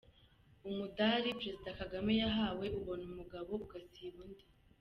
Umudari Perezida Kagame yahawe ubona umugabo ugasiba undi